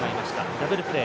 ダブルプレー。